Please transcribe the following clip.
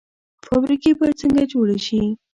فابریکې باید څنګه جوړې شي؟